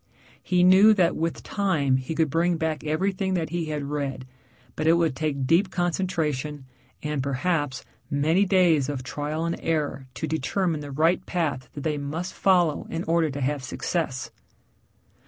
He knew that with time he could bring back everything that he had read, but it would take deep concentration and, perhaps, many days of trial and error to determine the right path that they must follow in order to have success.